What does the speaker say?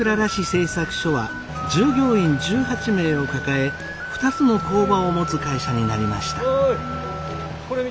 製作所は従業員１８名を抱え２つの工場を持つ会社になりました。